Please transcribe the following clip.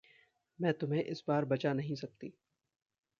मैं तुम्हें इस बार बचा नहीं सकती।